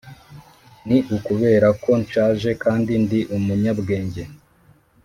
ni ukubera ko nshaje kandi ndi umunyabwenge,